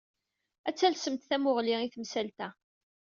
Ad talsemt tamuɣli i temsalt-a.